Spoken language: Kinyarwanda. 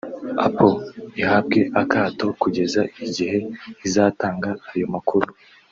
Apple ihabwe akato kugeza igihe izatanga ayo makuru